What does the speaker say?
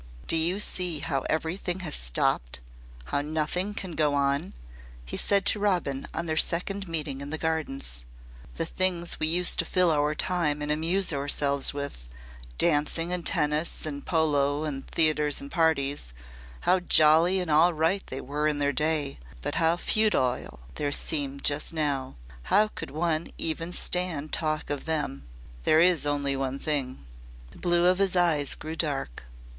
"Do you see how everything has stopped how nothing can go on?" he said to Robin on their second meeting in the Gardens. "The things we used to fill our time and amuse ourselves with dancing and tennis and polo and theatres and parties how jolly and all right they were in their day, but how futile they seem just now. How could one even stand talk of them! There is only one thing." The blue of his eyes grew dark.